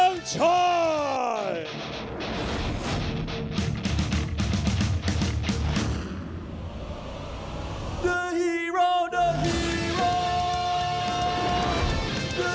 มีความรู้สึกว่า